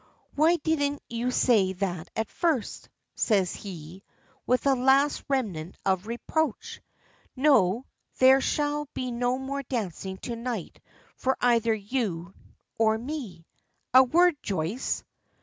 "Why didn't you say that at first?" says he, with a last remnant of reproach. "No; there shall be no more dancing to night for either you or me. A word, Joyce!"